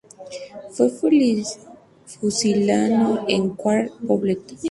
Fue fusilado en Cuart de Poblet.